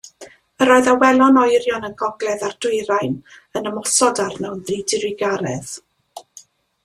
Yr oedd awelon oerion y gogledd a'r dwyrain yn ymosod arno yn ddidrugaredd.